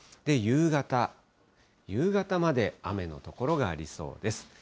夕方、夕方まで雨の所がありそうです。